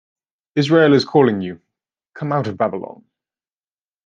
Israel is calling you - come out of Babylon!